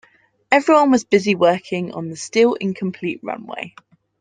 Everyone was busy working on the still-incomplete runway.